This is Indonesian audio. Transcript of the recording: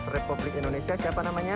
republik indonesia siapa namanya